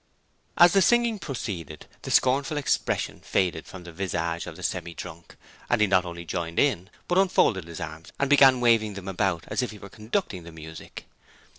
As the singing proceeded, the scornful expression faded from the visage of the Semi drunk, and he not only joined in, but unfolded his arms and began waving them about as if he were conducting the music.